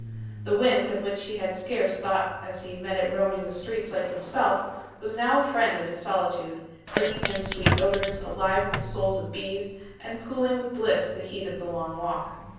The wind, of which he had scarce thought as he met it roaming the streets like himself, was now a friend of his solitude, bringing him sweet odours, alive with the souls of bees, and cooling with bliss the heat of the long walk.